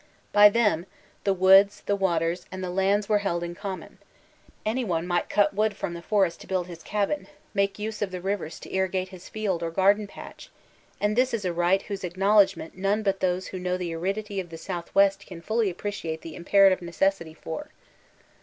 By them, the woods, the waters, and the lands were held in common. Any one might cut wood from the forest to build his cabin, make use of the rivers to irrigate his field or garden patch (and this is a right whose ac knowledgment none but those who know the aridity of the southwest can fully appreciate the imperative neces sity for).